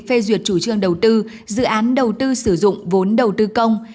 phê duyệt chủ trương đầu tư dự án đầu tư sử dụng vốn đầu tư công